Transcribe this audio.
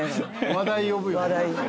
話題呼ぶよね。